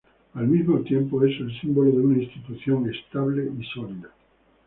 Al mismo tiempo, es el símbolo de una institución estable y sólida.